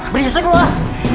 berisik lo ah